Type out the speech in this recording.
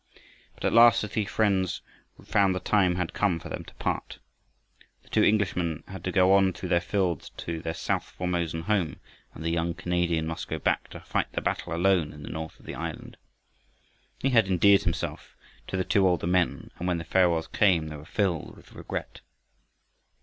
But at last the three friends found the time had come for them to part. The two Englishmen had to go on through their fields to their south Formosan home and the young Canadian must go back to fight the battle alone in the north of the island. He had endeared himself to the two older men, and when the farewells came they were filled with regret.